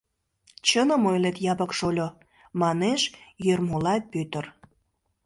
— Чыным ойлет, Якып шольо, — манеш Йӧрмолай Пӧтыр.